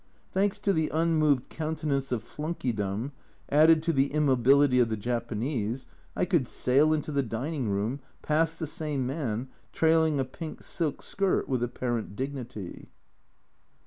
Thanks to the unmoved countenance of flunkeydom, added to the immobility of the Japanese, I could sail into the dining room, past the same man, trailing a pink silk skirt with apparent dignity.